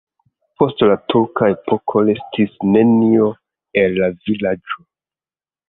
Post la turka epoko restis nenio el la vilaĝo.